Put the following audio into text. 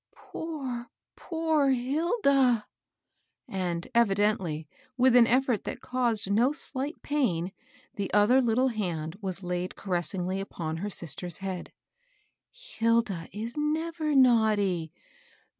Poor, poor Hilda 1 " And, evidently with an effort that caused no slight pain, the other Uttle hand was laid caressingly upon her sister's head. " Hilda is never naughty.